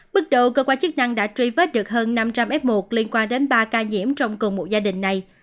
bước đầu cơ quan chức năng đã truy vết được hơn năm trăm linh f một liên quan đến ba ca nhiễm trong cùng một gia đình này